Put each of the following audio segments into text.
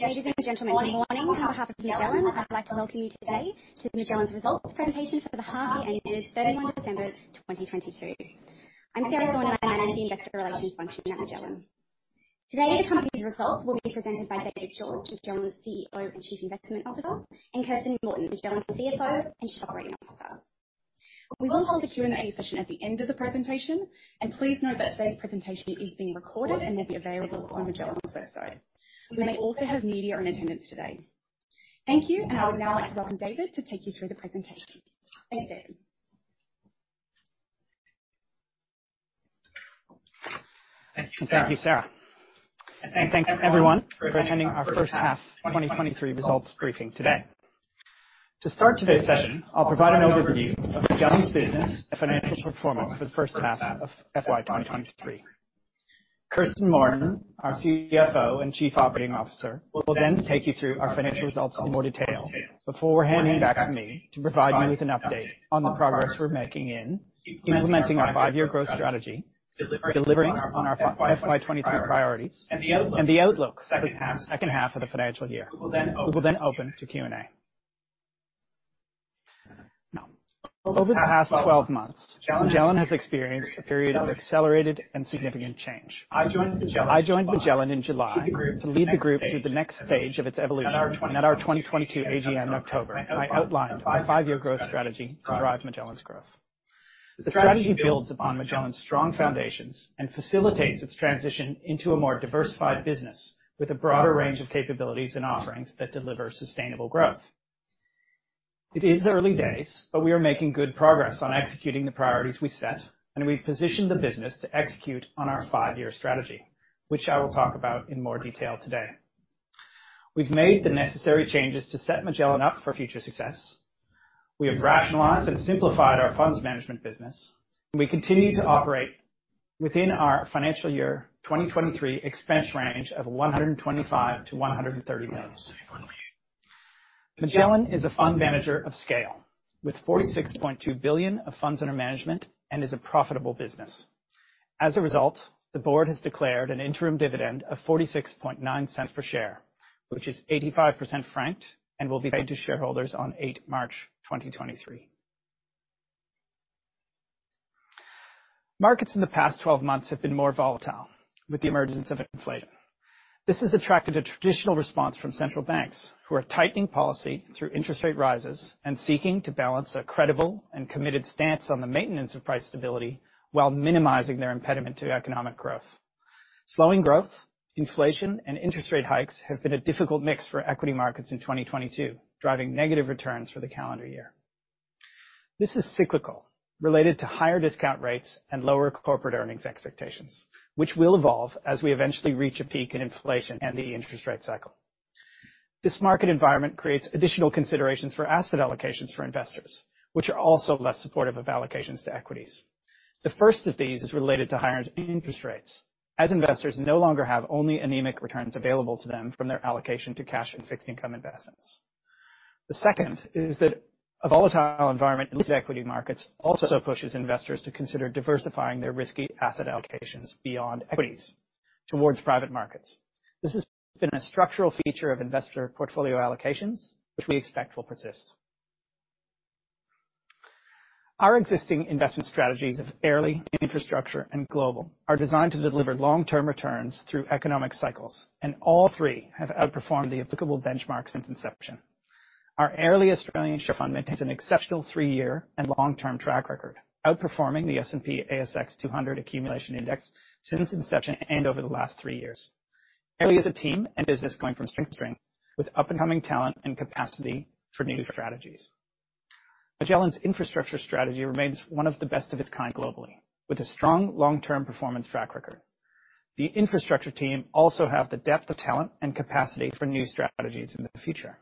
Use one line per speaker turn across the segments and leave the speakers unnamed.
Ladies and gentlemen, good morning. On behalf of Magellan, I'd like to welcome you today to Magellan's results presentation for the half year ended 31 December 2022. I'm Sarah Gordon, I manage the investor relations function at Magellan. Today, the company's results will be presented by David George, Magellan's CEO and Chief Investment Officer, and Kirsten Morton, Magellan's CFO and Chief Operating Officer. We will hold a Q&A session at the end of the presentation, and please note that today's presentation is being recorded and will be available on Magellan's website. We may also have media in attendance today. Thank you, and I would now like to welcome David to take you through the presentation. Thanks, David.
Thank you, Sarah. Thanks, everyone, for attending our first half 2023 results briefing today. To start today's session, I'll provide an overview of Magellan's business and financial performance for the first half of FY2023. Kirsten Morton, our CFO and Chief Operating Officer, will then take you through our financial results in more detail before handing it back to me to provide you with an update on the progress we're making in implementing our five-year growth strategy, delivering on our FY2023 priorities, and the outlook for the second half of the financial year. We will then open to Q&A. Over the past 12 months, Magellan has experienced a period of accelerated and significant change. I joined Magellan in July to lead the group through the next stage of its evolution. At our 2022 AGM in October, I outlined my 5-year growth strategy to drive Magellan's growth. The strategy builds upon Magellan's strong foundations and facilitates its transition into a more diversified business with a broader range of capabilities and offerings that deliver sustainable growth. It is early days, but we are making good progress on executing the priorities we set. We've positioned the business to execute on our 5-year strategy, which I will talk about in more detail today. We've made the necessary changes to set Magellan up for future success. We have rationalized and simplified our funds management business. We continue to operate within our financial year 2023 expense range of 125 million-130 million. Magellan is a fund manager of scale, with 46.2 billion of funds under management and is a profitable business. The board has declared an interim dividend of 0.469 per share, which is 85% franked and will be paid to shareholders on 8th March 2023. Markets in the past 12 months have been more volatile with the emergence of inflation. This has attracted a traditional response from central banks who are tightening policy through interest rate rises and seeking to balance a credible and committed stance on the maintenance of price stability while minimizing their impediment to economic growth. Slowing growth, inflation, and interest rate hikes have been a difficult mix for equity markets in 2022, driving negative returns for the calendar year. This is cyclical, related to higher discount rates and lower corporate earnings expectations, which will evolve as we eventually reach a peak in inflation and the interest rate cycle. This market environment creates additional considerations for asset allocations for investors, which are also less supportive of allocations to equities. The first of these is related to higher interest rates, as investors no longer have only anemic returns available to them from their allocation to cash and fixed income investments. The second is that a volatile environment in these equity markets also pushes investors to consider diversifying their risky asset allocations beyond equities towards private markets. This has been a structural feature of investor portfolio allocations, which we expect will persist. Our existing investment strategies of Airlie, Infrastructure, and Global are designed to deliver long-term returns through economic cycles, and all three have outperformed the applicable benchmarks since inception. Our Airlie Australian Share Fund maintains an exceptional three-year and long-term track record, outperforming the S&P/ASX 200 accumulation index since inception and over the last three years. Airlie is a team and business going from strength to strength with up-and-coming talent and capacity for new strategies. Magellan's infrastructure strategy remains one of the best of its kind globally, with a strong long-term performance track record. The infrastructure team also have the depth of talent and capacity for new strategies in the future.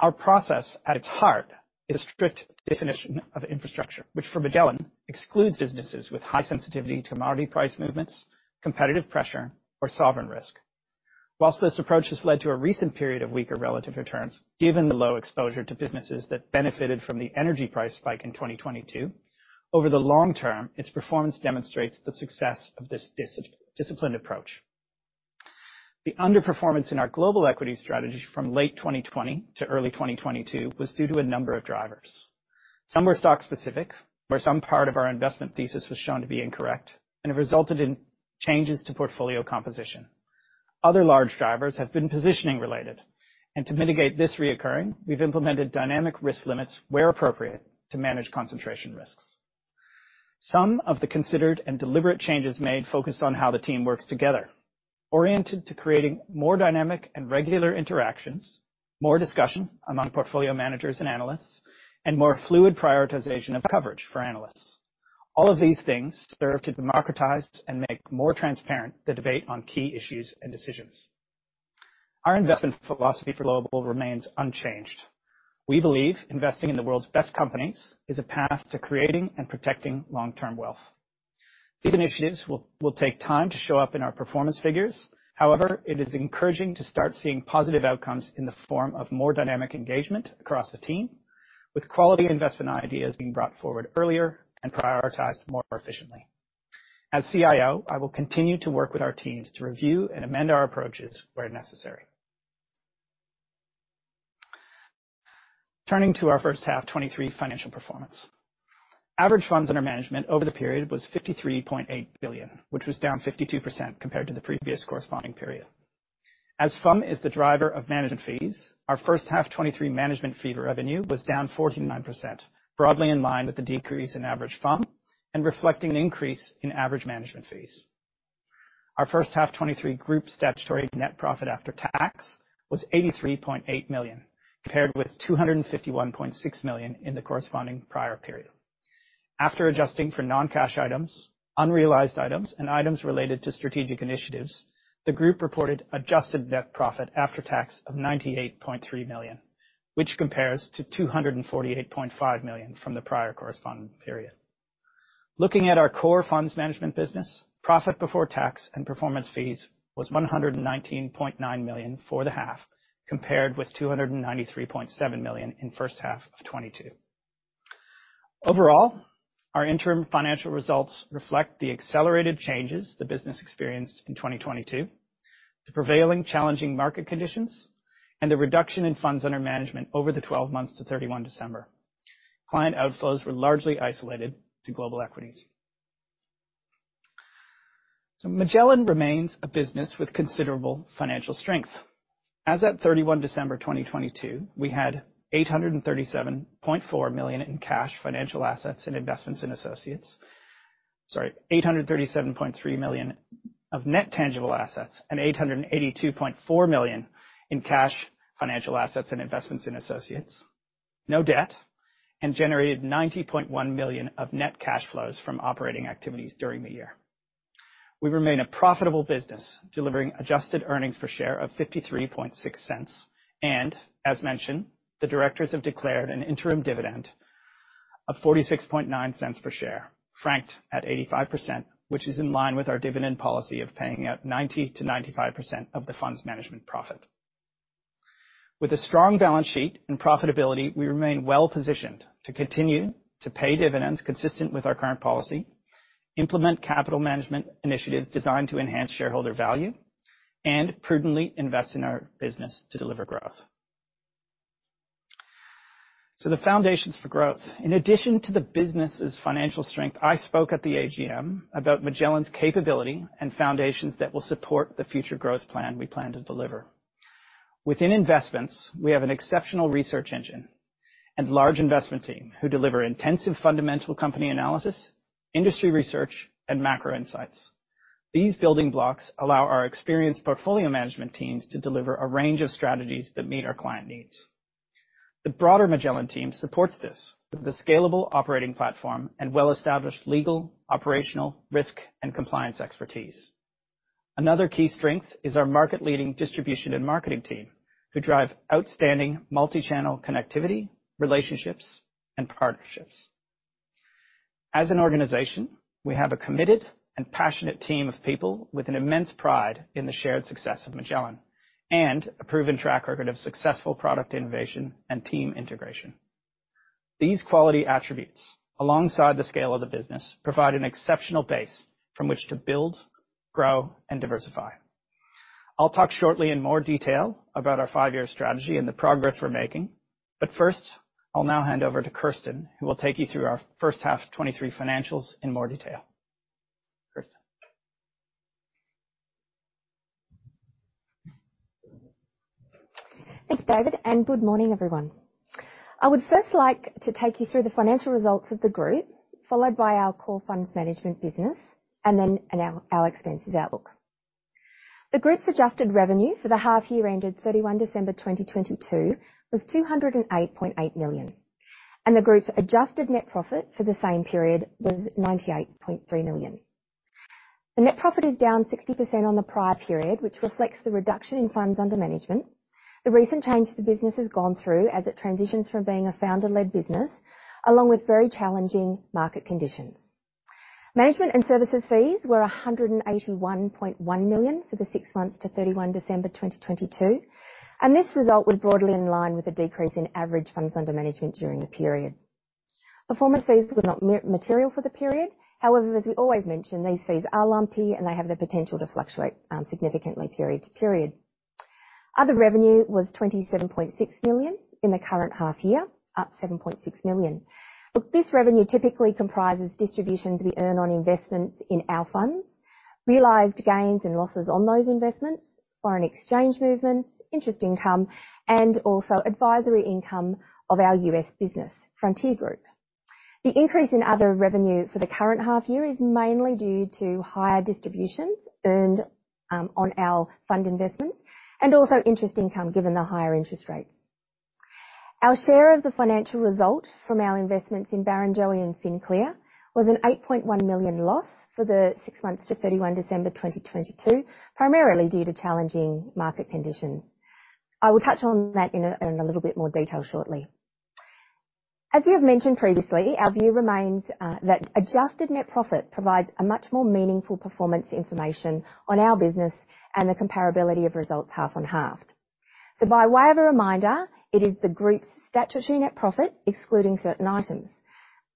Our process at its heart is a strict definition of infrastructure, which for Magellan excludes businesses with high sensitivity to commodity price movements, competitive pressure, or sovereign risk. Whilst this approach has led to a recent period of weaker relative returns, given the low exposure to businesses that benefited from the energy price spike in 2022, over the long term, its performance demonstrates the success of this disciplined approach. The underperformance in our global equity strategy from late 2020 to early 2022 was due to a number of drivers. Some were stock specific, where some part of our investment thesis was shown to be incorrect and it resulted in changes to portfolio composition. Other large drivers have been positioning related, and to mitigate this reoccurring, we've implemented dynamic risk limits where appropriate to manage concentration risks. Some of the considered and deliberate changes made focused on how the team works together, oriented to creating more dynamic and regular interactions, more discussion among portfolio managers and analysts, and more fluid prioritization of coverage for analysts. All of these things serve to democratize and make more transparent the debate on key issues and decisions. Our investment philosophy for Global remains unchanged. We believe investing in the world's best companies is a path to creating and protecting long-term wealth. These initiatives will take time to show up in our performance figures. It is encouraging to start seeing positive outcomes in the form of more dynamic engagement across the team, with quality investment ideas being brought forward earlier and prioritized more efficiently. As CIO, I will continue to work with our teams to review and amend our approaches where necessary. Turning to our first half 2023 financial performance. Average funds under management over the period was 53.8 billion, which was down 52% compared to the previous corresponding period. As FUM is the driver of management fees, our first half 2023 management fee revenue was down 49%, broadly in line with the decrease in average FUM and reflecting an increase in average management fees. Our first half 2023 group statutory net profit after tax was 83.8 million, compared with 251.6 million in the corresponding prior period. After adjusting for non-cash items, unrealized items, and items related to strategic initiatives, the group reported adjusted net profit after tax of 98.3 million, which compares to 248.5 million from the prior corresponding period. Looking at our core funds management business, profit before tax and performance fees was 119.9 million for the half, compared with 293.7 million in first half of 2022. Overall, our interim financial results reflect the accelerated changes the business experienced in 2022, the prevailing challenging market conditions, and the reduction in funds under management over the 12 months to December 31. Client outflows were largely isolated to global equities. Magellan remains a business with considerable financial strength. As at December 31, 2022, we had $837.4 million in cash, financial assets and investments in associates. Sorry, $837.3 million of net tangible assets and $882.4 million in cash financial assets and investments in associates, no debt, and generated $90.1 million of net cash flows from operating activities during the year. We remain a profitable business, delivering adjusted earnings per share of $0.536. As mentioned, the directors have declared an interim dividend of 0.469 per share, franked at 85%, which is in line with our dividend policy of paying out 90%-95% of the funds management profit. With a strong balance sheet and profitability, we remain well-positioned to continue to pay dividends consistent with our current policy, implement capital management initiatives designed to enhance shareholder value, and prudently invest in our business to deliver growth. The foundations for growth. In addition to the business's financial strength, I spoke at the AGM about Magellan's capability and foundations that will support the future growth plan we plan to deliver. Within investments, we have an exceptional research engine and large investment team who deliver intensive fundamental company analysis, industry research, and macro insights. These building blocks allow our experienced portfolio management teams to deliver a range of strategies that meet our client needs. The broader Magellan team supports this with a scalable operating platform and well-established legal, operational, risk, and compliance expertise. Another key strength is our market-leading distribution and marketing team, who drive outstanding multi-channel connectivity, relationships, and partnerships. As an organization, we have a committed and passionate team of people with an immense pride in the shared success of Magellan, and a proven track record of successful product innovation and team integration. These quality attributes, alongside the scale of the business, provide an exceptional base from which to build, grow, and diversify. I'll talk shortly in more detail about our five-year strategy and the progress we're making. First, I'll now hand over to Kirsten, who will take you through our first half '23 financials in more detail. Kirsten.
Thanks, David. Good morning, everyone. I would first like to take you through the financial results of the group, followed by our core funds management business and our expenses outlook. The group's adjusted revenue for the half-year ended thirty-one December, 2022, was 208.8 million, and the group's adjusted net profit for the same period was 98.3 million. The net profit is down 60% on the prior period, which reflects the reduction in funds under management, the recent change the business has gone through as it transitions from being a founder-led business, along with very challenging market conditions. Management and services fees were 181.1 million for the six months to thirty-one December, 2022, and this result was broadly in line with a decrease in average funds under management during the period. Performance fees were not material for the period. However, as we always mention, these fees are lumpy, and they have the potential to fluctuate significantly period to period. Other revenue was 27.6 million in the current half year, up 7.6 million. Look, this revenue typically comprises distributions we earn on investments in our funds, realized gains and losses on those investments, foreign exchange movements, interest income, and also advisory income of our U.S. business, Frontier Group. The increase in other revenue for the current half year is mainly due to higher distributions earned on our fund investments and also interest income, given the higher interest rates. Our share of the financial result from our investments in Barrenjoey and FinClear was an 8.1 million loss for the six months to 31 December 2022, primarily due to challenging market conditions. I will touch on that in a little bit more detail shortly. As we have mentioned previously, our view remains that adjusted net profit provides a much more meaningful performance information on our business and the comparability of results half on half. By way of a reminder, it is the group's statutory net profit excluding certain items.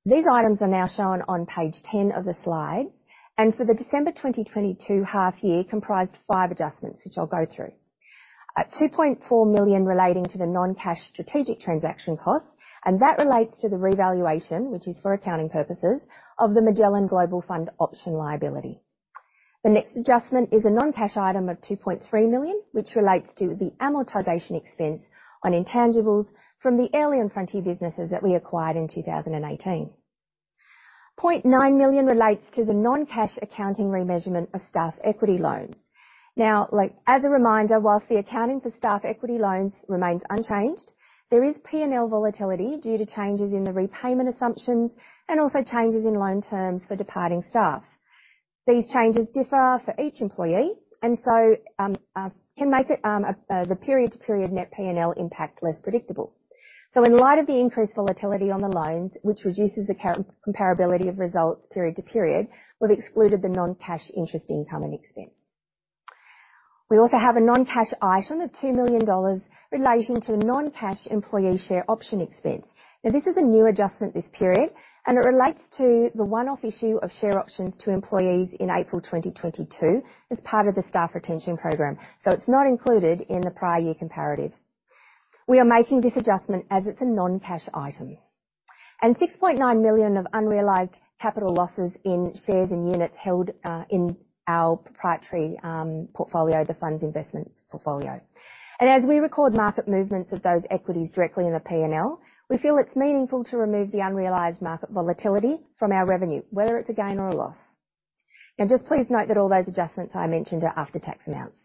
These items are now shown on page 10 of the slides, and for the December 2022 half year comprised five adjustments, which I'll go through. At 2.4 million relating to the non-cash strategic transaction costs, and that relates to the revaluation, which is for accounting purposes, of the Magellan Global Fund option liability. The next adjustment is a non-cash item of 2.3 million, which relates to the amortization expense on intangibles from the Airlie and Frontier businesses that we acquired in 2018. 0.9 million relates to the non-cash accounting remeasurement of staff equity loans. Now, like, as a reminder, whilst the accounting for staff equity loans remains unchanged, there is P&L volatility due to changes in the repayment assumptions and also changes in loan terms for departing staff. These changes differ for each employee can make it the period to period net P&L impact less predictable. In light of the increased volatility on the loans, which reduces the comparability of results period to period, we've excluded the non-cash interest income and expense. We also have a non-cash item of 2 million dollars relating to the non-cash employee share option expense. Now this is a new adjustment this period, and it relates to the one-off issue of share options to employees in April 2022 as part of the staff retention program. It's not included in the prior year comparative. We are making this adjustment as it's a non-cash item. 6.9 million of unrealized capital losses in shares and units held in our proprietary portfolio, the funds investment portfolio. As we record market movements of those equities directly in the P&L, we feel it's meaningful to remove the unrealized market volatility from our revenue, whether it's a gain or a loss. Just please note that all those adjustments I mentioned are after-tax amounts.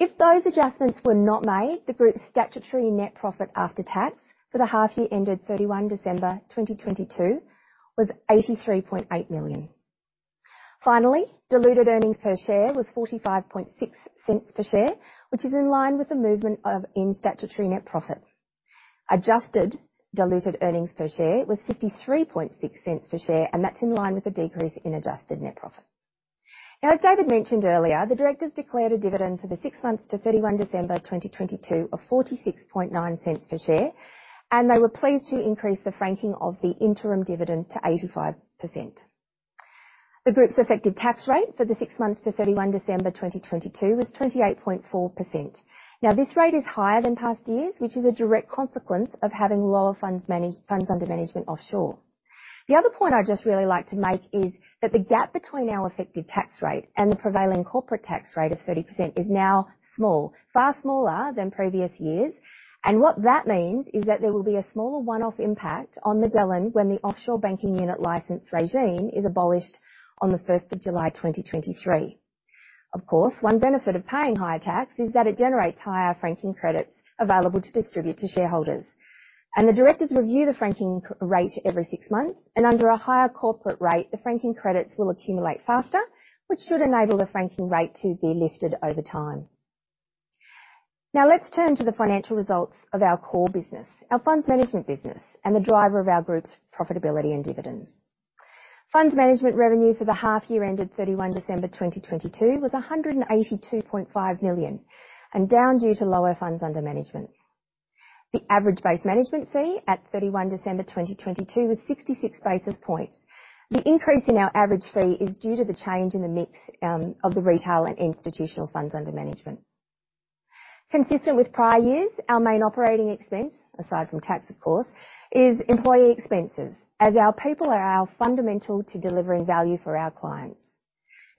If those adjustments were not made, the group's statutory net profit after tax for the half year ended 31 December 2022 was 83.8 million. Finally, diluted earnings per share was 0.456 per share, which is in line with the movement in statutory net profit. Adjusted diluted earnings per share was 0.536 per share. That's in line with a decrease in adjusted net profit. As David mentioned earlier, the directors declared a dividend for the six months to 31 December 2022 of 0.469 per share. They were pleased to increase the franking of the interim dividend to 85%. The group's effective tax rate for the six months to 31 December 2022 was 28.4%. This rate is higher than past years, which is a direct consequence of having lower funds under management offshore. The other point I'd just really like to make is that the gap between our effective tax rate and the prevailing corporate tax rate of 30% is now small, far smaller than previous years. What that means is that there will be a smaller one-off impact on Magellan when the Offshore Banking Unit license regime is abolished on the first of July 2023. Of course, one benefit of paying higher tax is that it generates higher franking credits available to distribute to shareholders. The directors review the franking rate every six months, and under a higher corporate rate, the franking credits will accumulate faster, which should enable the franking rate to be lifted over time. Now let's turn to the financial results of our core business, our funds management business and the driver of our group's profitability and dividends. Funds management revenue for the half year ended 31 December 2022 was 182.5 million and down due to lower funds under management. The average base management fee at 31 December 2022 was 66 basis points. The increase in our average fee is due to the change in the mix of the retail and institutional funds under management. Consistent with prior years, our main operating expense, aside from tax of course, is employee expenses, as our people are our fundamental to delivering value for our clients.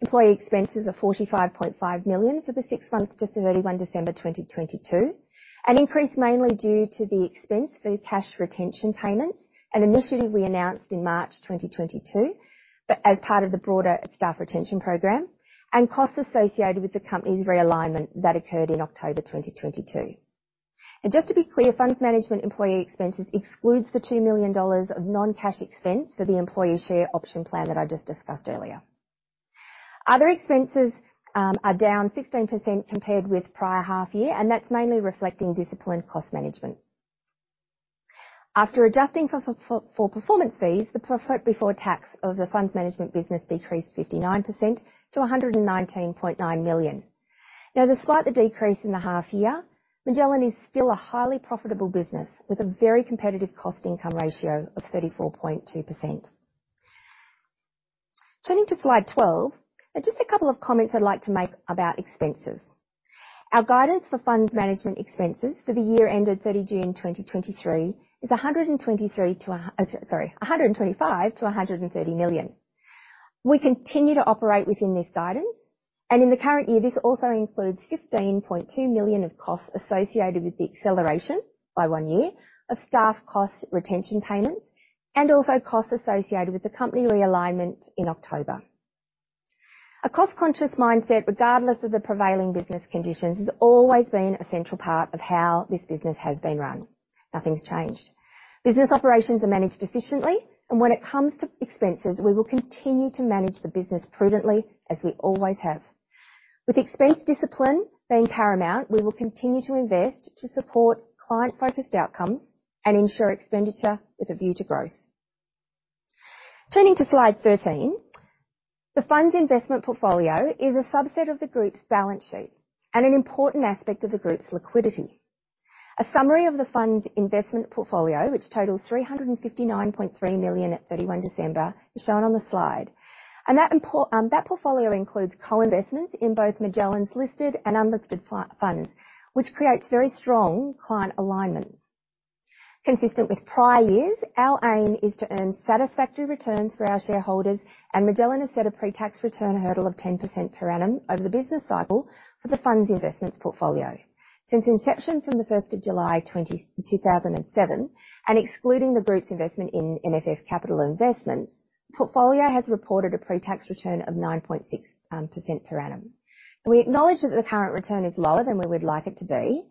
Employee expenses are 45.5 million for the six months to 31 December 2022, an increase mainly due to the expense for the cash retention payments, an initiative we announced in March 2022, but as part of the broader staff retention program, and costs associated with the company's realignment that occurred in October 2022. Just to be clear, funds management employee expenses excludes the 2 million dollars of non-cash expense for the employee share option plan that I just discussed earlier. Other expenses are down 16% compared with prior half year. That's mainly reflecting disciplined cost management. After adjusting for performance fees, the profit before tax of the funds management business decreased 59% to 119.9 million. Now despite the decrease in the half year, Magellan is still a highly profitable business with a very competitive cost-income ratio of 34.2%. Turning to slide 12, just a couple of comments I'd like to make about expenses. Our guidance for funds management expenses for the year ended 30 June 2023 is 125 million-130 million. We continue to operate within this guidance. In the current year, this also includes 15.2 million of costs associated with the acceleration by one year of staff cost retention payments and also costs associated with the company realignment in October. A cost-conscious mindset, regardless of the prevailing business conditions, has always been a central part of how this business has been run. Nothing's changed. Business operations are managed efficiently. When it comes to expenses, we will continue to manage the business prudently as we always have. With expense discipline being paramount, we will continue to invest to support client-focused outcomes and ensure expenditure with a view to growth. Turning to slide 13, the fund's investment portfolio is a subset of the Group's balance sheet and an important aspect of the Group's liquidity. A summary of the fund's investment portfolio, which totals 359.3 million at 31 December, is shown on the slide. That portfolio includes co-investments in both Magellan's listed and unlisted funds, which creates very strong client alignment. Consistent with prior years, our aim is to earn satisfactory returns for our shareholders, and Magellan has set a pre-tax return hurdle of 10% per annum over the business cycle for the fund's investments portfolio. Since inception from the 1st of July 2007, and excluding the Group's investment in MFF Capital Investments, portfolio has reported a pre-tax return of 9.6% per annum. We acknowledge that the current return is lower than we would like it to be.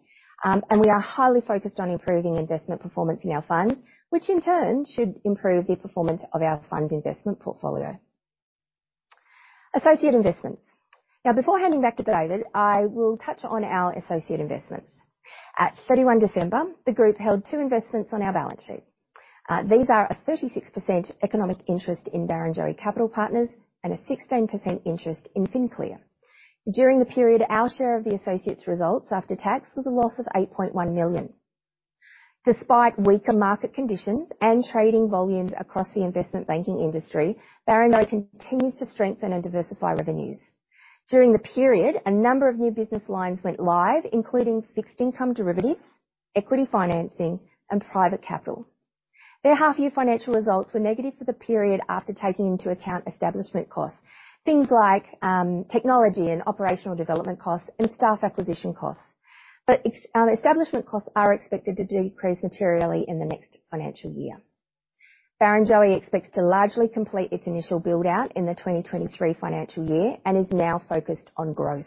We are highly focused on improving investment performance in our funds, which in turn should improve the performance of our fund investment portfolio. Associate investments. Before handing back to David, I will touch on our associate investments. At 31 December, the group held two investments on our balance sheet. These are a 36% economic interest in Barrenjoey Capital Partners and a 16% interest in FinClear. During the period, our share of the associates results after tax was a loss of 8.1 million. Despite weaker market conditions and trading volumes across the investment banking industry, Barrenjoey continues to strengthen and diversify revenues. During the period, a number of new business lines went live, including fixed income derivatives, equity financing, and private capital. Their half-year financial results were negative for the period after taking into account establishment costs, things like technology and operational development costs and staff acquisition costs. Establishment costs are expected to decrease materially in the next financial year. Barrenjoey expects to largely complete its initial build-out in the 2023 financial year and is now focused on growth.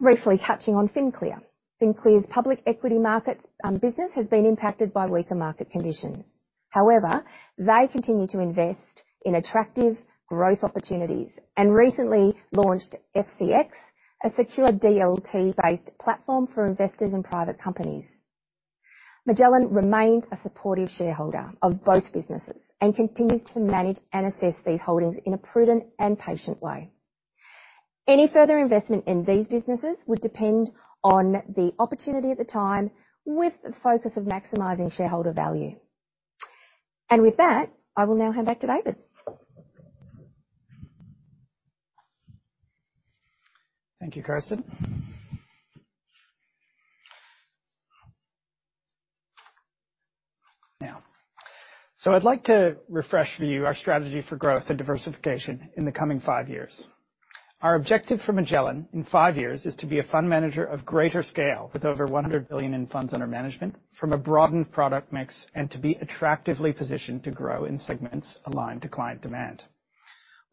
Briefly touching on FinClear. FinClear's public equity markets business has been impacted by weaker market conditions. However, they continue to invest in attractive growth opportunities and recently launched FCX, a secure DLT-based platform for investors in private companies. Magellan remains a supportive shareholder of both businesses and continues to manage and assess these holdings in a prudent and patient way. Any further investment in these businesses would depend on the opportunity at the time, with the focus of maximizing shareholder value. With that, I will now hand back to David.
Thank you, Kirsten. I'd like to refresh for you our strategy for growth and diversification in the coming five years. Our objective for Magellan in five years is to be a fund manager of greater scale with over 100 billion in funds under management from a broadened product mix and to be attractively positioned to grow in segments aligned to client demand.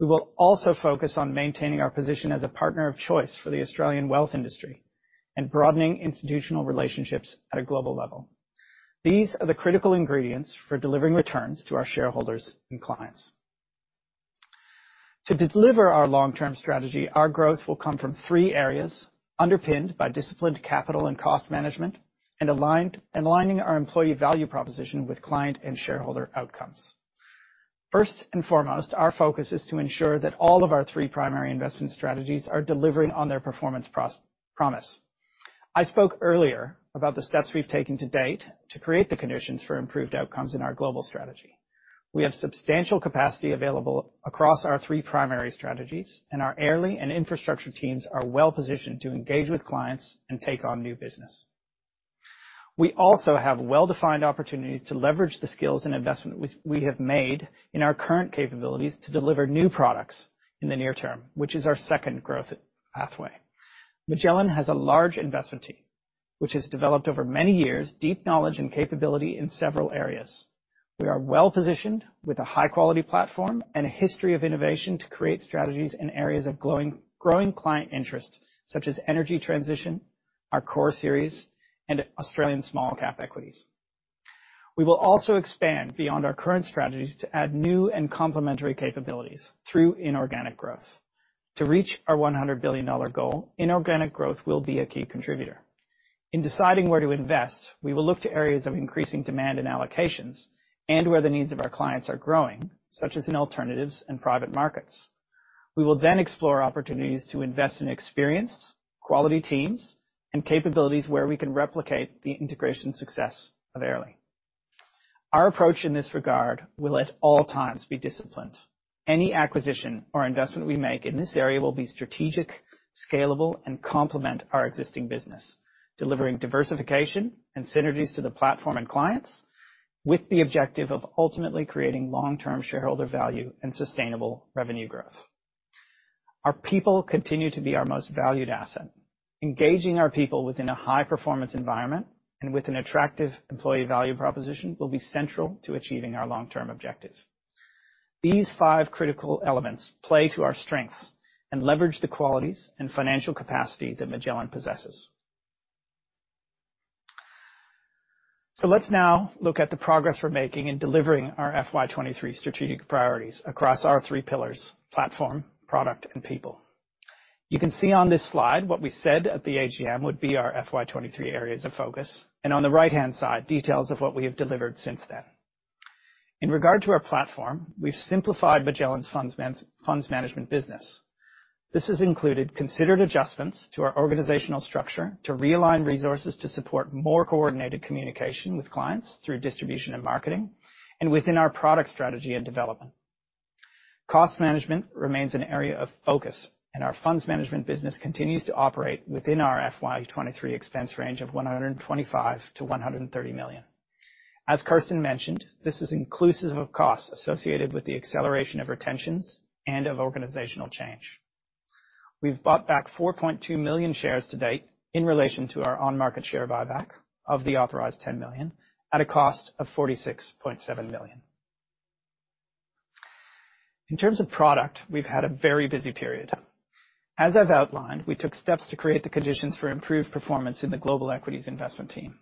We will also focus on maintaining our position as a partner of choice for the Australian wealth industry and broadening institutional relationships at a global level. These are the critical ingredients for delivering returns to our shareholders and clients. To deliver our long-term strategy, our growth will come from three areas underpinned by disciplined capital and cost management and aligned, aligning our employee value proposition with client and shareholder outcomes. First and foremost, our focus is to ensure that all of our three primary investment strategies are delivering on their performance promise. I spoke earlier about the steps we've taken to date to create the conditions for improved outcomes in our global strategy. We have substantial capacity available across our three primary strategies, and our Airlie and infrastructure teams are well-positioned to engage with clients and take on new business. We also have well-defined opportunities to leverage the skills and investment we have made in our current capabilities to deliver new products in the near term, which is our second growth pathway. Magellan has a large investment team, which has developed over many years, deep knowledge and capability in several areas. We are well-positioned with a high-quality platform and a history of innovation to create strategies in areas of growing client interest such as energy transition, our core series, and Australian small cap equities. We will also expand beyond our current strategies to add new and complementary capabilities through inorganic growth. To reach our 100 billion dollar goal, inorganic growth will be a key contributor. In deciding where to invest, we will look to areas of increasing demand and allocations and where the needs of our clients are growing, such as in alternatives and private markets. We will explore opportunities to invest in experienced quality teams and capabilities where we can replicate the integration success of Airlie. Our approach in this regard will at all times be disciplined. Any acquisition or investment we make in this area will be strategic, scalable, and complement our existing business, delivering diversification and synergies to the platform and clients with the objective of ultimately creating long-term shareholder value and sustainable revenue growth. Our people continue to be our most valued asset. Engaging our people within a high-performance environment and with an attractive employee value proposition will be central to achieving our long-term objective. These five critical elements play to our strengths and leverage the qualities and financial capacity that Magellan possesses. Let's now look at the progress we're making in delivering our FY23 strategic priorities across our three pillars: platform, product, and people. You can see on this slide what we said at the AGM would be our FY23 areas of focus, and on the right-hand side, details of what we have delivered since then. In regard to our platform, we've simplified Magellan's funds management business. This has included considered adjustments to our organizational structure to realign resources to support more coordinated communication with clients through distribution and marketing, and within our product strategy and development. Cost management remains an area of focus, and our funds management business continues to operate within our FY2023 expense range of 125 million-130 million. As Kirsten mentioned, this is inclusive of costs associated with the acceleration of retentions and of organizational change. We've bought back 4.2 million shares to date in relation to our on-market share buyback of the authorized 10 million at a cost of 46.7 million. In terms of product, we've had a very busy period. As I've outlined, we took steps to create the conditions for improved performance in the global equities investment team.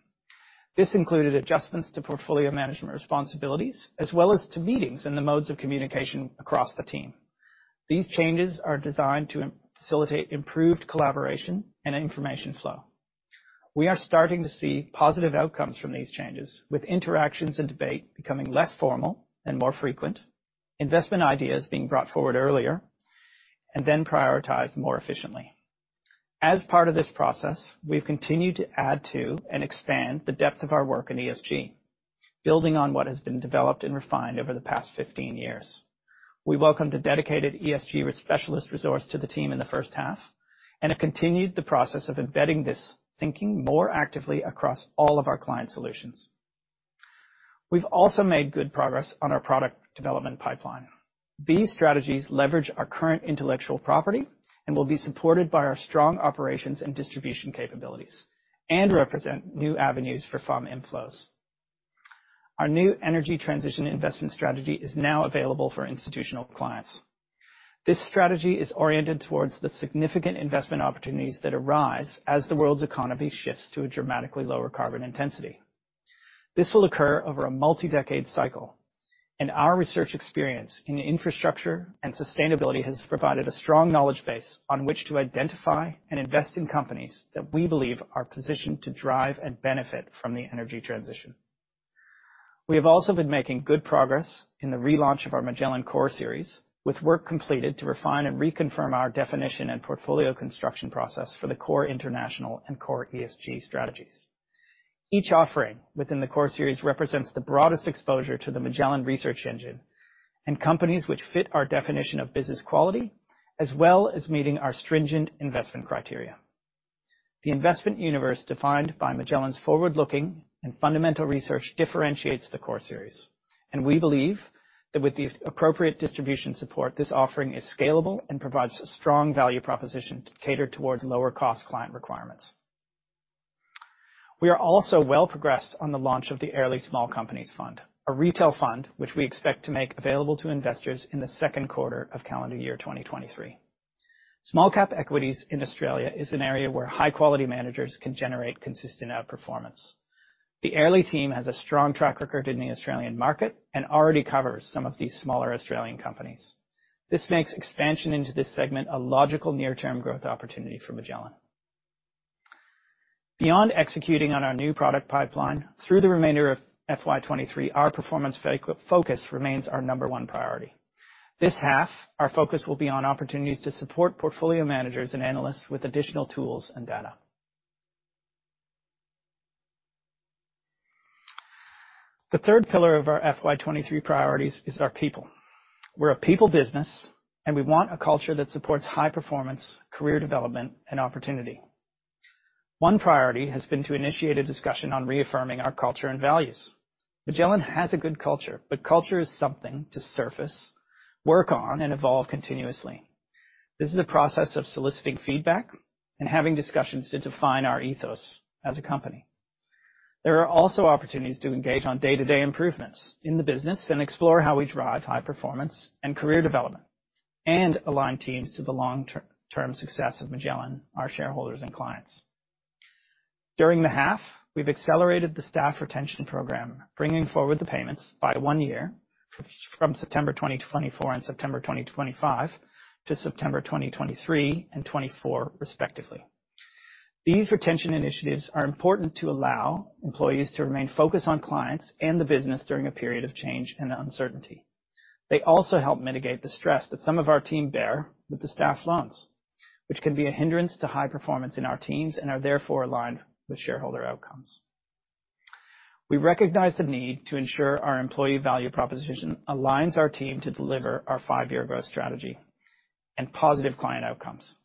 This included adjustments to portfolio management responsibilities as well as to meetings and the modes of communication across the team. These changes are designed to facilitate improved collaboration and information flow. We are starting to see positive outcomes from these changes, with interactions and debate becoming less formal and more frequent, investment ideas being brought forward earlier, and then prioritized more efficiently. As part of this process, we've continued to add to and expand the depth of our work in ESG, building on what has been developed and refined over the past 15 years. We welcomed a dedicated ESG specialist resource to the team in the first half. It continued the process of embedding this thinking more actively across all of our client solutions. We've also made good progress on our product development pipeline. These strategies leverage our current intellectual property and will be supported by our strong operations and distribution capabilities and represent new avenues for FAM inflows. Our new Energy Transition investment strategy is now available for institutional clients. This strategy is oriented towards the significant investment opportunities that arise as the world's economy shifts to a dramatically lower carbon intensity. This will occur over a multi-decade cycle, and our research experience in infrastructure and sustainability has provided a strong knowledge base on which to identify and invest in companies that we believe are positioned to drive and benefit from the energy transition. We have also been making good progress in the relaunch of our Magellan Core Series, with work completed to refine and reconfirm our definition and portfolio construction process for the Core International and Core ESG strategies. Each offering within the Core series represents the broadest exposure to the Magellan research engine and companies which fit our definition of business quality as well as meeting our stringent investment criteria. The investment universe defined by Magellan's forward-looking and fundamental research differentiates the Core series, and we believe that with the appropriate distribution support, this offering is scalable and provides a strong value proposition to cater towards lower-cost client requirements. We are also well progressed on the launch of the Airlie Small Companies Fund, a retail fund which we expect to make available to investors in the second quarter of calendar year 2023. Small cap equities in Australia is an area where high-quality managers can generate consistent outperformance. The Airlie team has a strong track record in the Australian market and already covers some of these smaller Australian companies. This makes expansion into this segment a logical near-term growth opportunity for Magellan. Beyond executing on our new product pipeline, through the remainder of FY23, our performance focus remains our number 1 priority. This half, our focus will be on opportunities to support portfolio managers and analysts with additional tools and data. The third pillar of our FY23 priorities is our people. We're a people business, and we want a culture that supports high performance, career development, and opportunity. 1 priority has been to initiate a discussion on reaffirming our culture and values. Magellan has a good culture, but culture is something to surface, work on, and evolve continuously. This is a process of soliciting feedback and having discussions to define our ethos as a company. There are also opportunities to engage on day-to-day improvements in the business and explore how we drive high performance and career development and align teams to the long-term success of Magellan, our shareholders, and clients. During the half, we've accelerated the staff retention program, bringing forward the payments by 1 year from September 2024 and September 2025 to September 2023 and 2024 respectively. These retention initiatives are important to allow employees to remain focused on clients and the business during a period of change and uncertainty. They also help mitigate the stress that some of our team bear with the staff loans, which can be a hindrance to high performance in our teams and are therefore aligned with shareholder outcomes. We recognize the need to ensure our employee value proposition aligns our team to deliver our 5-year growth strategy and positive client outcomes.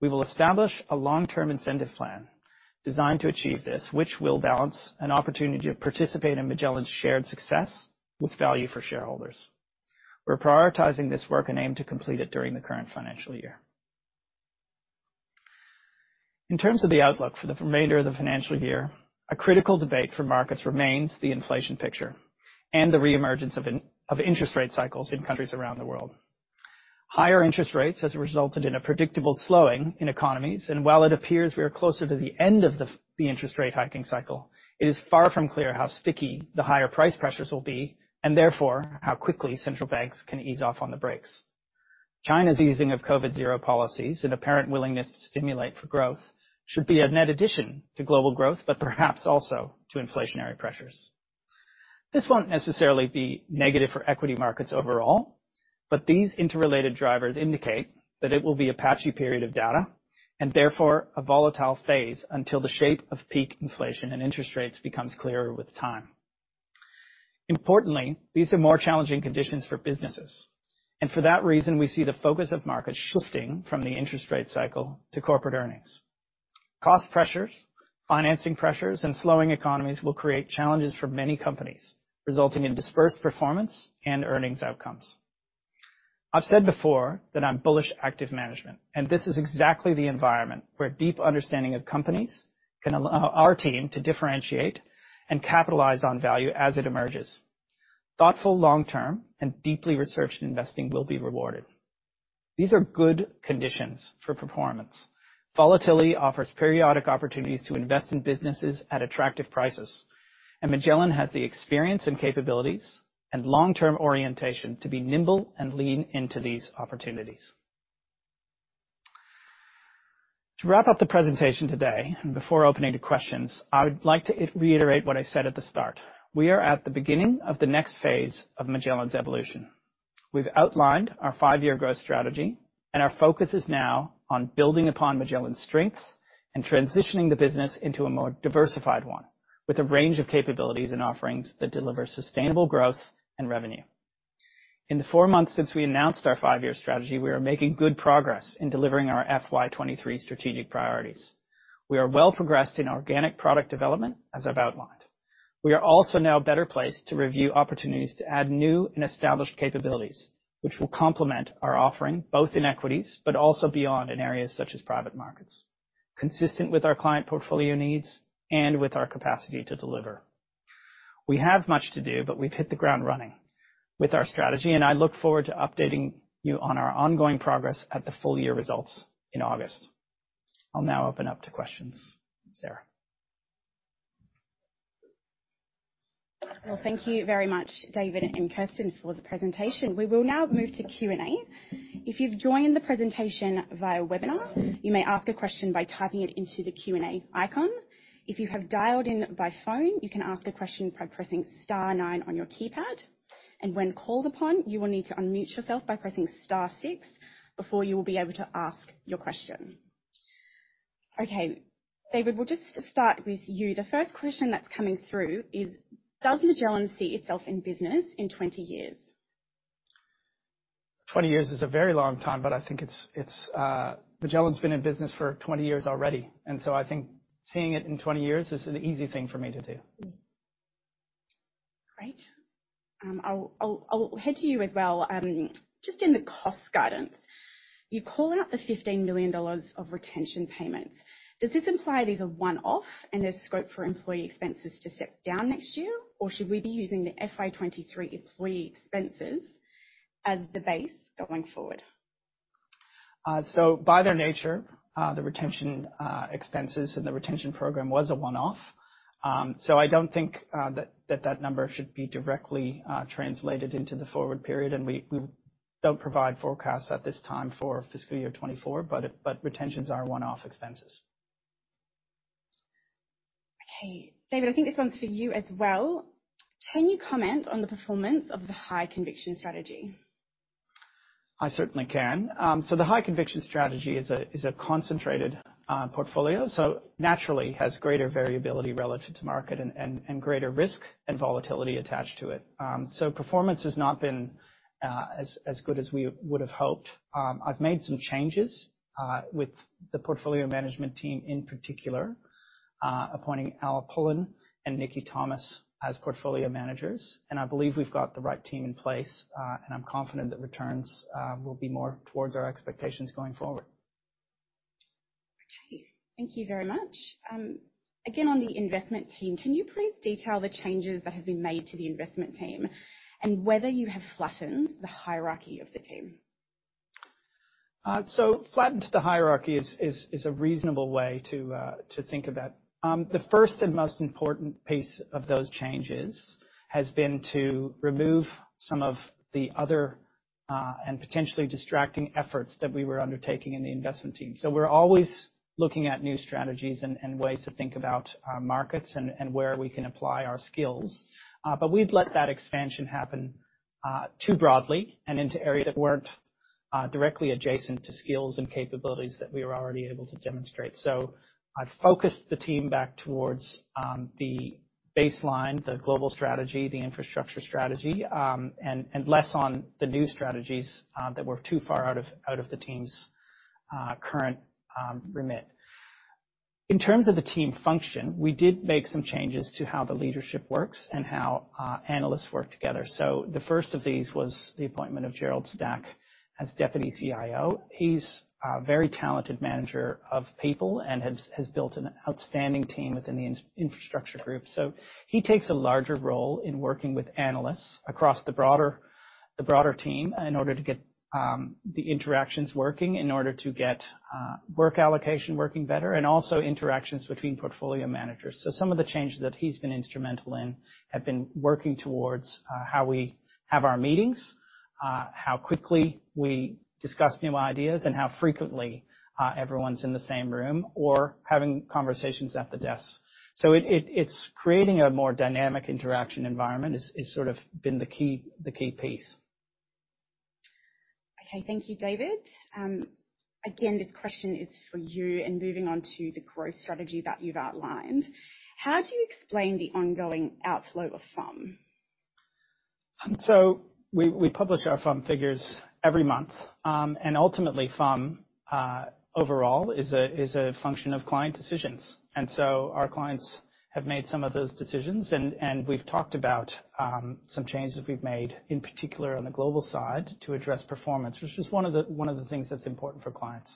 We will establish a long-term incentive plan designed to achieve this, which will balance an opportunity to participate in Magellan's shared success with value for shareholders. We're prioritizing this work and aim to complete it during the current financial year. In terms of the outlook for the remainder of the financial year, a critical debate for markets remains the inflation picture and the re-emergence of interest rate cycles in countries around the world. Higher interest rates as a result in a predictable slowing in economies. While it appears we are closer to the end of the interest rate hiking cycle, it is far from clear how sticky the higher price pressures will be, and therefore, how quickly central banks can ease off on the brakes. China's easing of zero-COVID policies and apparent willingness to stimulate for growth should be a net addition to global growth, perhaps also to inflationary pressures. This won't necessarily be negative for equity markets overall, but these interrelated drivers indicate that it will be a patchy period of data, and therefore, a volatile phase until the shape of peak inflation and interest rates becomes clearer with time. Importantly, these are more challenging conditions for businesses. For that reason, we see the focus of markets shifting from the interest rate cycle to corporate earnings. Cost pressures, financing pressures, and slowing economies will create challenges for many companies, resulting in dispersed performance and earnings outcomes. I've said before that I'm bullish active management, and this is exactly the environment where deep understanding of companies can allow our team to differentiate and capitalize on value as it emerges. Thoughtful long-term and deeply researched investing will be rewarded. These are good conditions for performance. Volatility offers periodic opportunities to invest in businesses at attractive prices. Magellan has the experience and capabilities and long-term orientation to be nimble and lean into these opportunities. To wrap up the presentation today, and before opening to questions, I would like to reiterate what I said at the start. We are at the beginning of the next phase of Magellan's evolution. We've outlined our five-year growth strategy and our focus is now on building upon Magellan's strengths and transitioning the business into a more diversified one, with a range of capabilities and offerings that deliver sustainable growth and revenue. In the four months since we announced our five-year strategy, we are making good progress in delivering our FY2023 strategic priorities. We are well progressed in organic product development, as I've outlined. We are also now better placed to review opportunities to add new and established capabilities, which will complement our offering, both in equities but also beyond in areas such as private markets, consistent with our client portfolio needs and with our capacity to deliver. We have much to do, but we've hit the ground running with our strategy, and I look forward to updating you on our ongoing progress at the full year results in August. I'll now open up to questions. Sarah.
Well, thank you very much, David and Kirsten, for the presentation. We will now move to Q&A. If you've joined the presentation via webinar, you may ask a question by typing it into the Q&A icon. If you have dialed in by phone, you can ask a question by pressing star nine on your keypad. When called upon, you will need to unmute yourself by pressing star six before you will be able to ask your question. Okay, David, we'll just start with you. The first question that's coming through is, does Magellan see itself in business in 20 years?
20 years is a very long time, I think it's, Magellan's been in business for 20 years already, I think seeing it in 20 years is an easy thing for me to do.
Great. I'll head to you as well. Just in the cost guidance, you call out the 15 million dollars of retention payments. Does this imply these are one-off and there's scope for employee expenses to step down next year, or should we be using the FY2023 employee expenses as the base going forward?
By their nature, the retention expenses and the retention program was a one-off. So I don't think that that number should be directly translated into the forward period. And we don't provide forecasts at this time for FY2024, but retentions are one-off expenses.
Okay. David, I think this one's for you as well. Can you comment on the performance of the High Conviction Strategy?
I certainly can. The High Conviction Strategy is a concentrated, portfolio, so naturally has greater variability relative to market and greater risk and volatility attached to it. Performance has not been as good as we would have hoped. I've made some changes, with the portfolio management team, in particular, appointing Alan Pullen and Nikki Thomas as portfolio managers. I believe we've got the right team in place, and I'm confident that returns, will be more towards our expectations going forward.
Okay. Thank you very much. Again, on the investment team, can you please detail the changes that have been made to the investment team and whether you have flattened the hierarchy of the team?
Flattened the hierarchy is a reasonable way to think about. The first and most important piece of those changes has been to remove some of the other, and potentially distracting efforts that we were undertaking in the investment team. We're always looking at new strategies and ways to think about our markets and where we can apply our skills. We'd let that expansion happen too broadly and into areas that weren't directly adjacent to skills and capabilities that we were already able to demonstrate. I've focused the team back towards the baseline, the global strategy, the infrastructure strategy, and less on the new strategies that were too far out of the team's current remit. In terms of the team function, we did make some changes to how the leadership works and how analysts work together. The first of these was the appointment of Gerald Stack as Deputy CIO. He's a very talented manager of people and has built an outstanding team within the Infrastructure Group. He takes a larger role in working with analysts across the broader team in order to get the interactions working, in order to get work allocation working better, and also interactions between portfolio managers. Some of the changes that he's been instrumental in have been working towards, how we have our meetings, how quickly we discuss new ideas, and how frequently everyone's in the same room or having conversations at the desks. It's creating a more dynamic interaction environment is sort of been the key piece.
Okay. Thank you, David. Again, this question is for you, moving on to the growth strategy that you've outlined. How do you explain the ongoing outflow of FUM?
We publish our FUM figures every month. And ultimately FUM overall is a function of client decisions. Our clients have made some of those decisions, and we've talked about some changes we've made, in particular on the global side to address performance. Which is one of the things that's important for clients.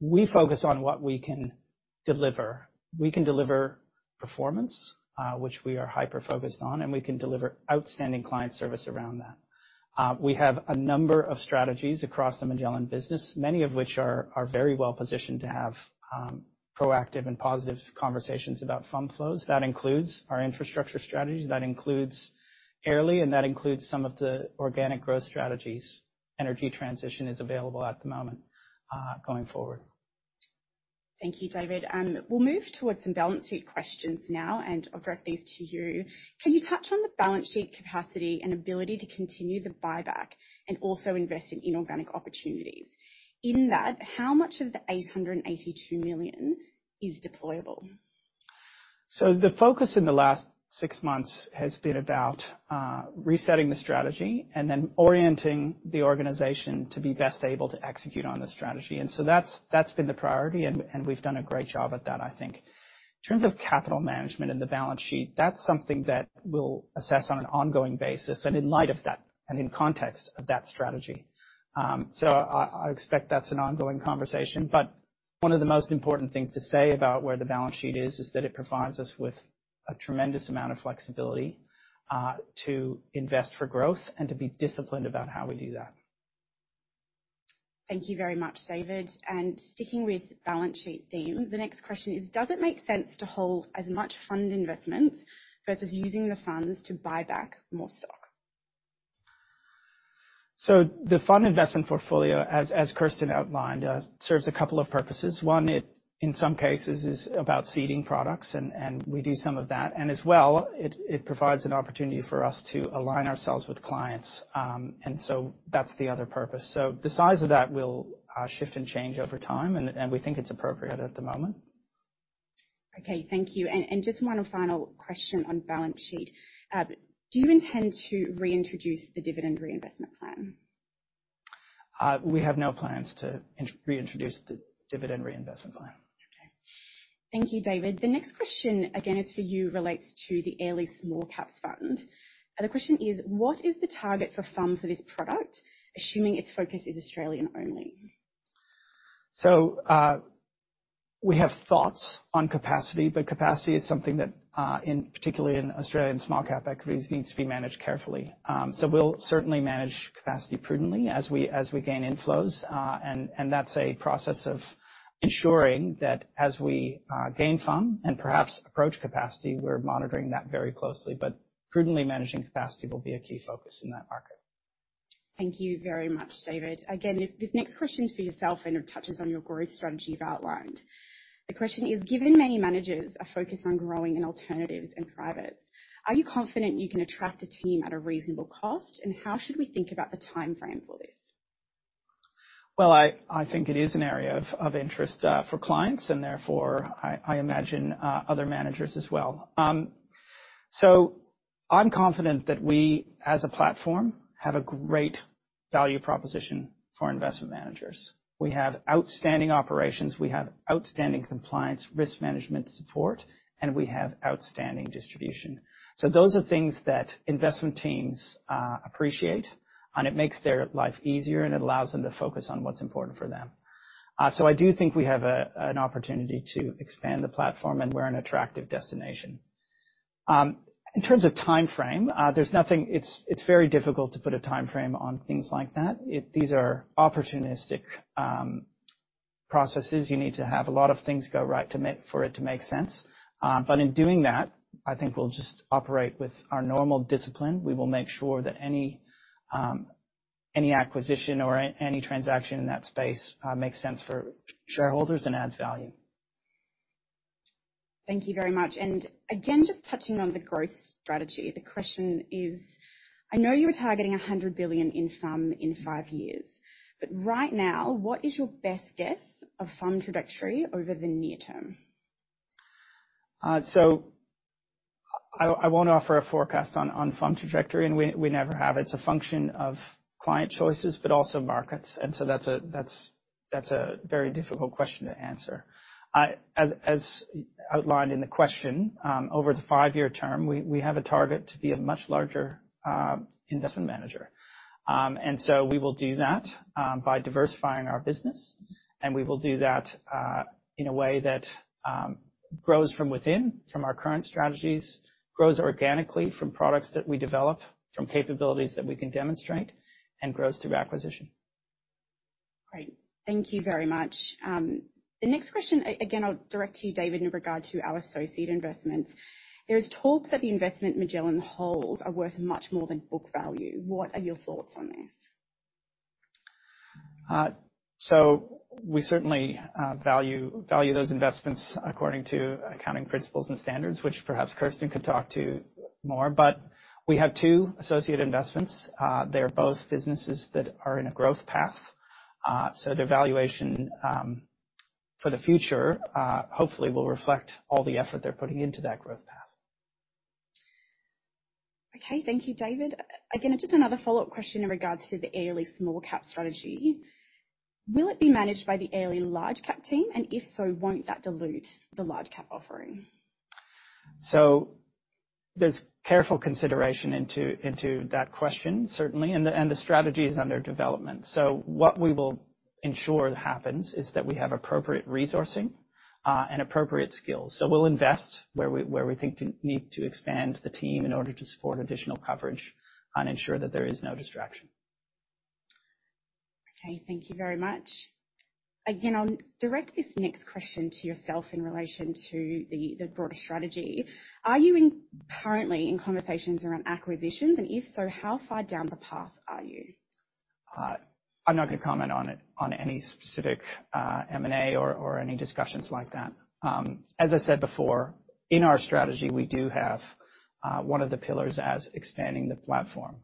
We focus on what we can deliver. We can deliver performance, which we are hyper-focused on, and we can deliver outstanding client service around that. We have a number of strategies across the Magellan business, many of which are very well positioned to have proactive and positive conversations about FUM flows. That includes our infrastructure strategies. That includes Airlie, and that includes some of the organic growth strategies. Energy Transition is available at the moment, going forward.
Thank you, David. We'll move towards some balance sheet questions now, and I'll direct these to you. Can you touch on the balance sheet capacity and ability to continue the buyback and also invest in inorganic opportunities? In that, how much of the 882 million is deployable?
The focus in the last six months has been about resetting the strategy and then orienting the organization to be best able to execute on the strategy. That's been the priority and we've done a great job at that, I think. In terms of capital management and the balance sheet, that's something that we'll assess on an ongoing basis, and in light of that, and in context of that strategy. I expect that's an ongoing conversation, but one of the most important things to say about where the balance sheet is that it provides us with a tremendous amount of flexibility to invest for growth and to be disciplined about how we do that.
Thank you very much, David. Sticking with balance sheet theme, the next question is, does it make sense to hold as much fund investments versus using the funds to buy back more stock?
The fund investment portfolio, as Kirsten outlined, serves a couple of purposes. One, it in some cases is about seeding products, and we do some of that. As well, it provides an opportunity for us to align ourselves with clients. That's the other purpose. The size of that will shift and change over time, and we think it's appropriate at the moment.
Okay. Thank you. Just one final question on balance sheet. Do you intend to reintroduce the dividend reinvestment plan?
We have no plans to reintroduce the dividend reinvestment plan.
Okay. Thank you, David. The next question, again is for you, relates to the Airlie Small Cap Fund. The question is, what is the target for FUM for this product, assuming its focus is Australian only?
We have thoughts on capacity, but capacity is something that, in, particularly in Australian small cap equities, needs to be managed carefully. We'll certainly manage capacity prudently as we gain inflows. And that's a process of ensuring that as we gain FUM and perhaps approach capacity, we're monitoring that very closely. Prudently managing capacity will be a key focus in that market.
Thank you very much, David. Again, this next question is for yourself, and it touches on your growth strategy you've outlined. The question is, given many managers are focused on growing in alternatives and privates, are you confident you can attract a team at a reasonable cost, and how should we think about the timeframe for this?
I think it is an area of interest for clients, and therefore I imagine other managers as well. I'm confident that we, as a platform, have a great value proposition for investment managers. We have outstanding operations. We have outstanding compliance risk management support, and we have outstanding distribution. Those are things that investment teams appreciate, and it makes their life easier, and it allows them to focus on what's important for them. I do think we have an opportunity to expand the platform, and we're an attractive destination. In terms of timeframe, there's nothing. It's very difficult to put a timeframe on things like that. These are opportunistic processes. You need to have a lot of things go right for it to make sense. In doing that, I think we'll just operate with our normal discipline. We will make sure that any acquisition or any transaction in that space, makes sense for shareholders and adds value.
Thank you very much. Again, just touching on the growth strategy, the question is, I know you were targeting 100 billion in FUM in five years, but right now, what is your best guess of FUM trajectory over the near term?
So I won't offer a forecast on FUM trajectory, and we never have. It's a function of client choices, but also markets. That's a very difficult question to answer. As outlined in the question, over the five-year term, we have a target to be a much larger investment manager. We will do that by diversifying our business, we will do that in a way that grows from within, from our current strategies, grows organically from products that we develop, from capabilities that we can demonstrate and grows through acquisition.
Great. Thank you very much. The next question again, I'll direct to you, David, in regard to our associate investments. There is talk that the investment Magellan holds are worth much more than book value. What are your thoughts on this?
We certainly value those investments according to accounting principles and standards, which perhaps Kirsten could talk to more. We have two associate investments. They're both businesses that are in a growth path. Their valuation for the future hopefully will reflect all the effort they're putting into that growth path.
Okay. Thank you, David. Again, just another follow-up question in regards to the Airlie Small Cap strategy. Will it be managed by the Airlie Large Cap team? If so, won't that dilute the Large Cap offering?
There's careful consideration into that question, certainly. The strategy is under development. What we will ensure happens is that we have appropriate resourcing and appropriate skills. We'll invest where we think need to expand the team in order to support additional coverage and ensure that there is no distraction.
Okay, thank you very much. Again, I'll direct this next question to yourself in relation to the broader strategy. Are you currently in conversations around acquisitions, and if so, how far down the path are you?
I'm not gonna comment on it, on any specific M&A or any discussions like that. As I said before, in our strategy, we do have one of the pillars as expanding the platform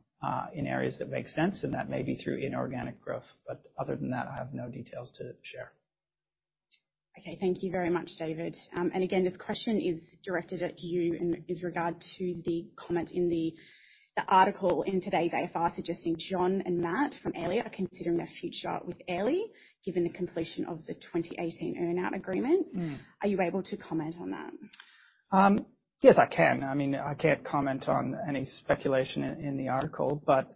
in areas that make sense, and that may be through inorganic growth. Other than that, I have no details to share.
Okay. Thank you very much, David. Again, this question is directed at you in regard to the comment in the article in today's AFR suggesting John and Matt from Airlie are considering their future with Airlie, given the completion of the 2018 earn-out agreement.
Mm.
Are you able to comment on that?
Yes, I can. I mean, I can't comment on any speculation in the article, but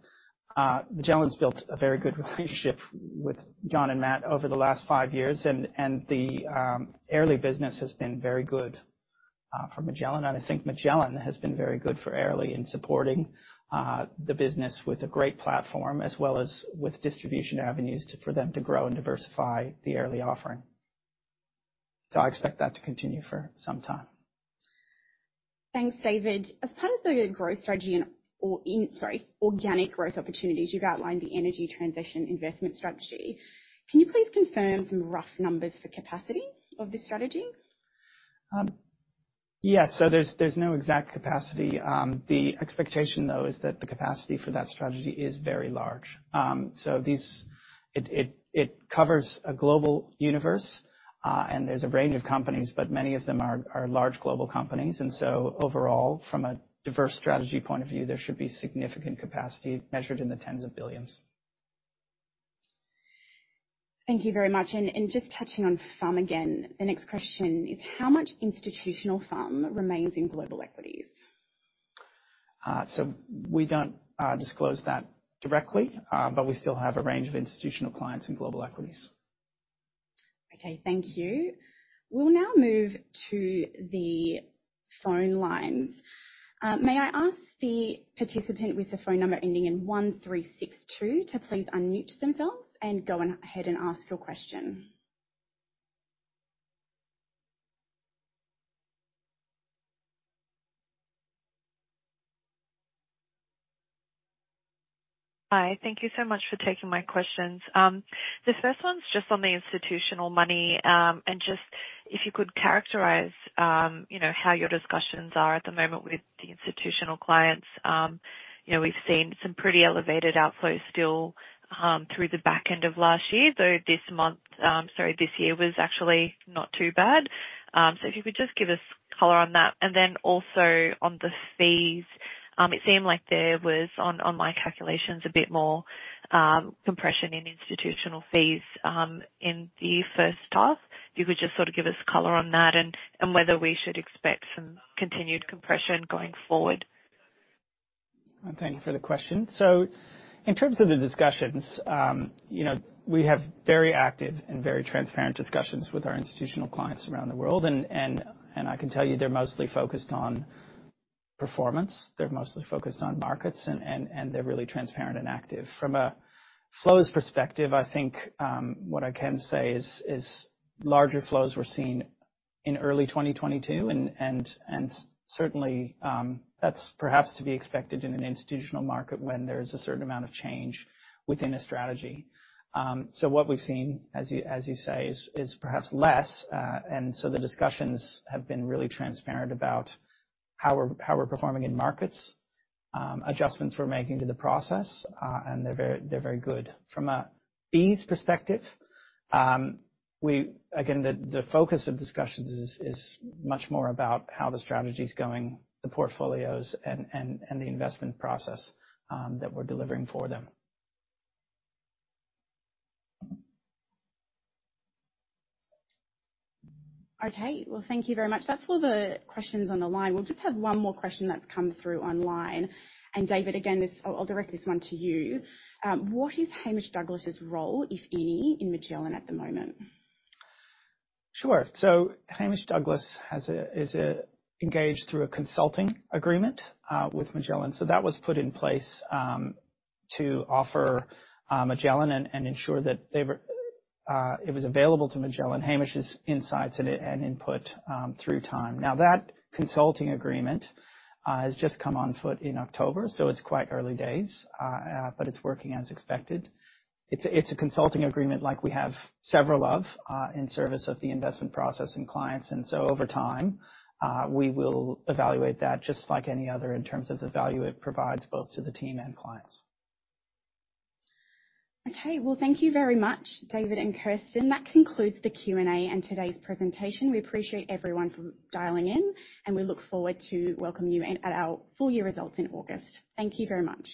Magellan's built a very good relationship with John and Matt over the last 5 years. The Airlie business has been very good for Magellan, and I think Magellan has been very good for Airlie in supporting the business with a great platform as well as with distribution avenues for them to grow and diversify the Airlie offering. I expect that to continue for some time.
Thanks, David. As part of the growth strategy, sorry, organic growth opportunities, you've outlined the Energy Transition investment strategy. Can you please confirm some rough numbers for capacity of this strategy?
Yes. There's no exact capacity. The expectation, though, is that the capacity for that strategy is very large. It covers a global universe, and there's a range of companies, but many of them are large global companies. Overall, from a diverse strategy point of view, there should be significant capacity measured in the tens of billions.
Thank you very much. Just touching on FUM again, the next question is how much institutional FUM remains in global equities?
We don't disclose that directly, but we still have a range of institutional clients in global equities.
Okay, thank you. We'll now move to the phone lines. May I ask the participant with the phone number ending in 1362 to please unmute themselves and go on ahead and ask your question. Hi. Thank you so much for taking my questions. This first one's just on the institutional money. Just if you could characterize, you know, how your discussions are at the moment with the institutional clients. You know, we've seen some pretty elevated outflows still, through the back end of last year, though this month, sorry, this year was actually not too bad. If you could just give us color on that. Then also on the fees, it seemed like there was on my calculations, a bit more compression in institutional fees in the first half. If you could just sort of give us color on that and whether we should expect some continued compression going forward.
Thank you for the question. In terms of the discussions, you know, we have very active and very transparent discussions with our institutional clients around the world. I can tell you they're mostly focused on performance, they're mostly focused on markets, and they're really transparent and active. From a flows perspective, I think, what I can say is larger flows were seen in early 2022 and certainly, that's perhaps to be expected in an institutional market when there's a certain amount of change within a strategy. What we've seen, as you say, is perhaps less. The discussions have been really transparent about how we're performing in markets, adjustments we're making to the process, and they're very good. From a fees perspective, we... Again, the focus of discussions is much more about how the strategy's going, the portfolios and the investment process that we're delivering for them.
Okay. Well, thank you very much. That's all the questions on the line. We'll just have one more question that's come through online. David, again, I'll direct this one to you. What is Hamish Douglass' role, if any, in Magellan at the moment?
Sure. Hamish Douglass is engaged through a consulting agreement with Magellan. That was put in place to offer Magellan and ensure that they were, it was available to Magellan, Hamish's insights and input through time. That consulting agreement has just come on foot in October, so it's quite early days, but it's working as expected. It's a consulting agreement like we have several of in service of the investment process and clients. Over time, we will evaluate that just like any other in terms of the value it provides both to the team and clients.
Okay. Well, thank you very much, David and Kirsten. That concludes the Q&A and today's presentation. We appreciate everyone for dialing in. We look forward to welcoming you at our full year results in August. Thank you very much.